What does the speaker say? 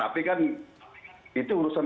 tapi kan itu urusan